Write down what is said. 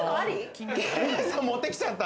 持ってきちゃった。